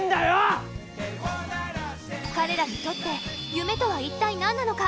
彼らにとって夢とはいったい何なのか？